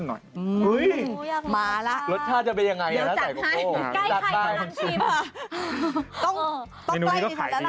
เฮ้ยมาละเดี๋ยวจัดให้ใกล้ใกล้กับน้ำชิมค่ะต้องใกล้ที่สุดแล้วล่ะรสชาติจะเป็นยังไงล่ะถ้าใกล้กับโกโก้